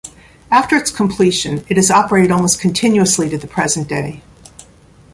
After its completion it has operated almost continuously to the present day.